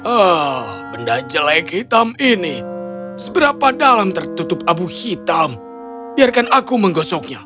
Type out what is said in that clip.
ah benda jelek hitam ini seberapa dalam tertutup abu hitam biarkan aku menggosoknya